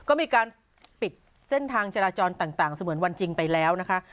ก็มีการปิดเส้นทางจราจรต่างเสมือนวันจริงไปแล้วนะคะ